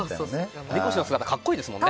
おみこしの姿格好いいですもんね。